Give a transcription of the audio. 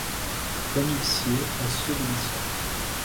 Comme il sied à ceux de ma sorte.